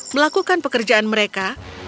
melakukan pekerjaan mereka